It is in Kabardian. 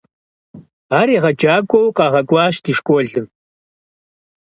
Ар егъэджакӏуэу къагъэкӏуащ ди школым.